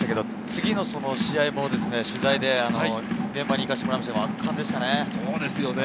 次の試合も取材で現場に行かせてもらえましたが圧巻でしたね。